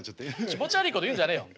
気持ち悪いこと言うんじゃねえよ。